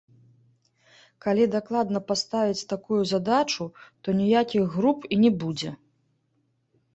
Калі дакладна паставіць такую задачу, то ніякіх груп і не будзе.